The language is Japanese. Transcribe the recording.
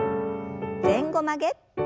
前後曲げ。